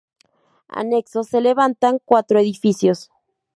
Anexos se levantan cuatro edificios.